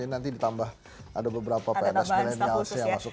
jadi nanti ditambah ada beberapa pns milenials yang masuk